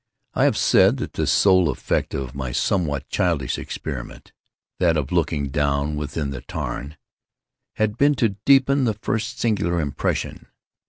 I have said that the sole effect of my somewhat childish experiment—that of looking down within the tarn—had been to deepen the first singular impression.